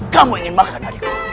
kamu ingin makan adikku